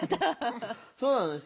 そうなんです